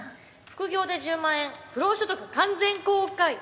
「副業で１０万円不労所得完全公開」。